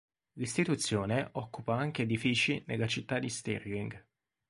L'istituzione occupa anche edifici nella città di Stirling.